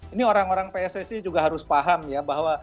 ini orang orang pssi juga harus paham ya bahwa